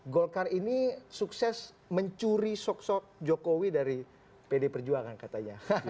golkar ini sukses mencuri sok sok jokowi dari pd perjuangan katanya